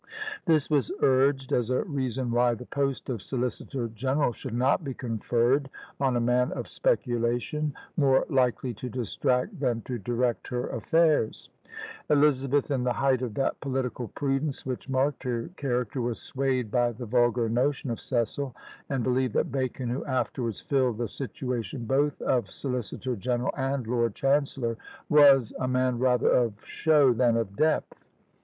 This was urged as a reason why the post of Solicitor General should not be conferred on a man of speculation, more likely to distract than to direct her affairs. Elizabeth, in the height of that political prudence which marked her character, was swayed by the vulgar notion of Cecil, and believed that Bacon, who afterwards filled the situation both of Solicitor General and Lord Chancellor, was "a man rather of show than of depth."